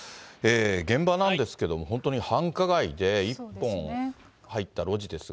現場なんですけど、本当に繁華街で、一本入った路地ですが。